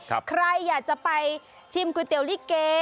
ใครอยากจะไปชิมก๋วยเตี๋ยวลิเก